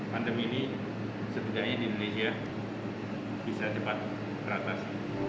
pandemi ini setidaknya di indonesia bisa cepat teratas